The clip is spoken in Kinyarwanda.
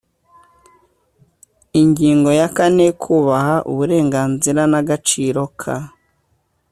Ingingo ya kane Kubaha uburenganzira n agaciro ka